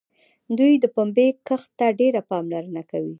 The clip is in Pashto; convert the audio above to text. دوی د پنبې کښت ته ډېره پاملرنه کوي.